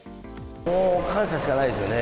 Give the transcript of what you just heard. もう感謝しかないですよね。